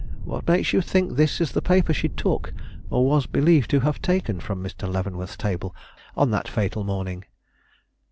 what makes you think this is the paper she took, or was believed to have taken, from Mr. Leavenworth's table on that fatal morning?"